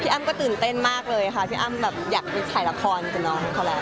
อ้ำก็ตื่นเต้นมากเลยค่ะพี่อ้ำแบบอยากไปถ่ายละครกับน้องเขาแล้ว